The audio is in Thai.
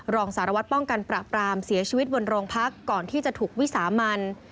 รองสารวัตรป้องกันปราบรามเสียชีวิตบนโรงพักก่อนที่จะถูกวิสามัน